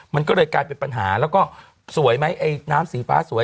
มันก็เลยกลายเป็นปัญหาแล้วก็สวยไหมไอ้น้ำสีฟ้าสวย